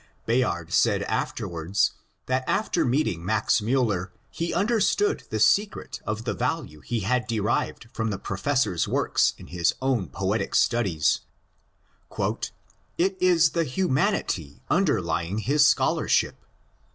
Bayard said afterwards that after meeting Max Miiller he understood the secret of the value he had derived from the professor's works in his own poetic studies : ^*It is the humanity underlying his scholarship."